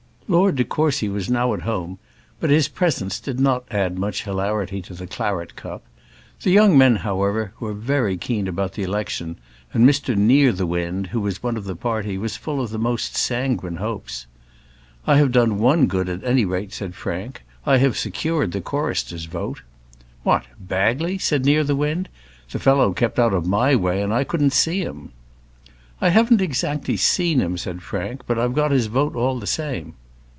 Lord de Courcy was now at home; but his presence did not add much hilarity to the claret cup. The young men, however, were very keen about the election, and Mr Nearthewinde, who was one of the party, was full of the most sanguine hopes. "I have done one good at any rate," said Frank; "I have secured the chorister's vote." "What! Bagley?" said Nearthewinde. "The fellow kept out of my way, and I couldn't see him." "I haven't exactly seen him," said Frank; "but I've got his vote all the same."